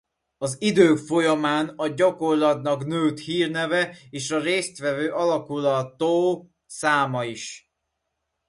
Az idők folyamán a gyakorlatnak nőtt hírneve és a részt vevő alakulato száma is.